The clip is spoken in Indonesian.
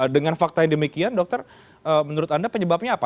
dengan fakta yang demikian dokter menurut anda penyebabnya apa